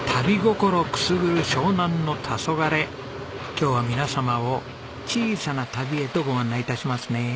今日は皆様を小さな旅へとご案内致しますね。